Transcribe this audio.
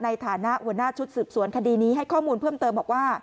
ในฐานะหัวหน้าชุดสืบสวนคดีนี้ให้ข้อมูลเพิ่มเติมบอกว่า